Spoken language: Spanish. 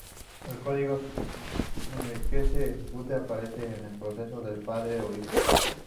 El código que se ejecute depende de si el proceso es "padre" o "hijo".